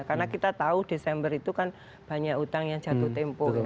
karena kita tahu desember itu kan banyak utang yang jatuh tempoh